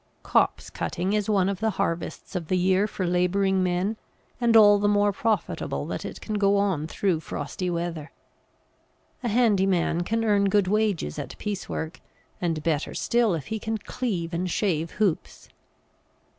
Copse cutting is one of the harvests of the year for labouring men, and all the more profitable that it can go on through frosty weather. A handy man can earn good wages at piece work, and better still if he can cleave and shave hoops.